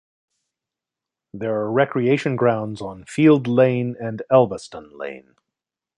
There are recreation grounds on Field Lane and Elvaston Lane.